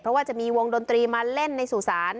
เพราะว่าจะมีวงดนตรีมาเล่นในสู่ศาล